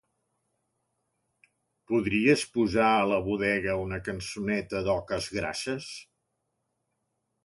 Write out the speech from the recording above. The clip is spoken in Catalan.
Podries posar a la bodega una cançoneta d'Oques Grasses?